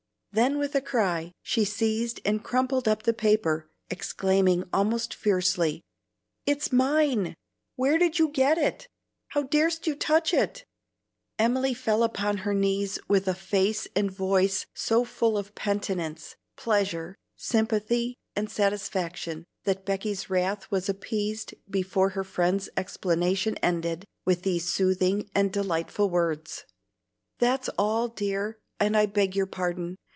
Then with a cry she seized and crumpled up the paper, exclaiming almost fiercely, "It's mine! Where did you get it? How dar'st you touch it?" Emily fell upon her knees with a face and voice so full of penitence, pleasure, sympathy, and satisfaction, that Becky's wrath was appeased before her friend's explanation ended with these soothing and delightful words, "That's all, dear, and I beg your pardon.